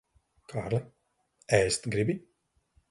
Kārli, ēst gribi?